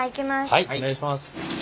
はいお願いします。